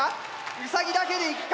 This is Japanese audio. ウサギだけでいくか？